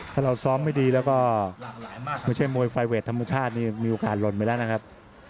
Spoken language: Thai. ถ้าเราซ้อมไม่ดีแล้วก็ไฟเวศทำวนชาตินี่มีโอกาสลนไปแล้วนะครับ